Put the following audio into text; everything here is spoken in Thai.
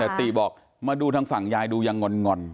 แต่ติบอกมาดูทางฝั่งยายดูยังงอน